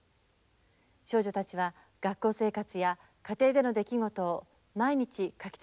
少女たちは学校生活や家庭での出来事を毎日書き続けていったんです。